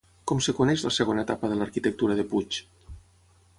Com es coneix la segona etapa de l'arquitectura de Puig?